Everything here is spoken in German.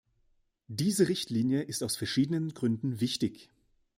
Diese Richtlinie ist aus verschiedenen Gründen wichtig.